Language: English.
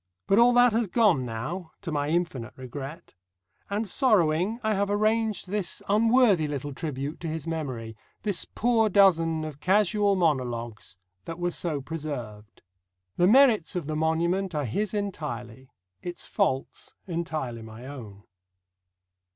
But all that has gone now, to my infinite regret; and sorrowing, I have arranged this unworthy little tribute to his memory, this poor dozen of casual monologues that were so preserved. The merits of the monument are his entirely; its faults entirely my own.